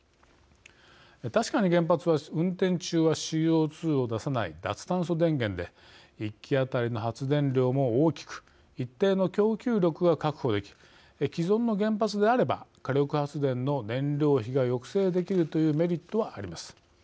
確かに原発は運転中はＣＯ２を出さない脱炭素電源で１基当たりの発電量も大きく一定の供給力が確保でき既存の原発であれば火力発電の燃料費が抑制できるというメリットはあります。